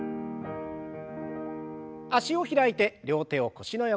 脚を開いて両手を腰の横。